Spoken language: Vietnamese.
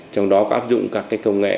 trong đó có áp dụng các cái công nghệ